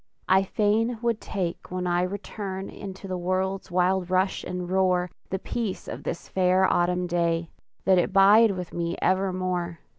I fain would take when I return Into the world's wild rush and roar, The peace of this fair autumn day, That it bide with me evermore!